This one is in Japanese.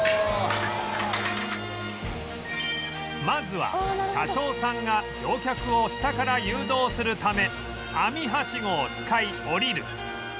まずは車掌さんが乗客を下から誘導するため網ハシゴを使い降りる